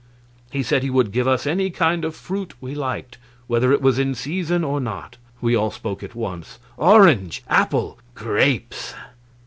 He said he would give us any kind of fruit we liked, whether it was in season or not. We all spoke at once; "Orange!" "Apple!" "Grapes!"